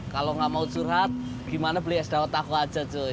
kalo gak mau curhat gimana beli es daun taku aja coy